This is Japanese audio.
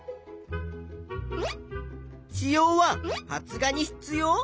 子葉は発芽に必要？